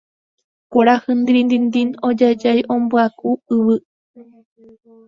kuarahy ndirindindin ojajái ombyaku yvy